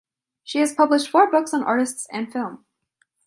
She has published four books on artists and film.